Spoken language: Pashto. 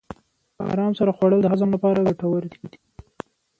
په ارام سره خوړل د هضم لپاره ګټور دي.